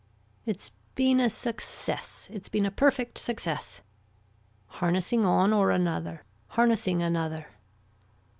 It's been a success, it's been a perfect success. Harnessing on or another. Harnessing another.